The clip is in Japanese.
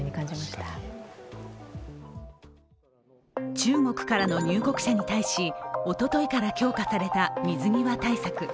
中国からの入国者に対しおとといから強化された水際対策。